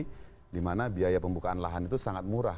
gitu ya artinya ekonomi di mana biaya pembukaan lahan itu sangat murah